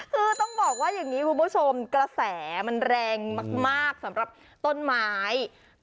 คือต้องบอกว่าอย่างนี้คุณผู้ชมกระแสมันแรงมากสำหรับต้นไม้